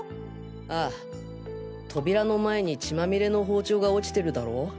ああ扉の前に血まみれの包丁が落ちてるだろ？